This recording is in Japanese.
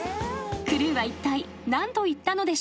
［クルーはいったい何と言ったのでしょう？］